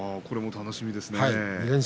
楽しみですね。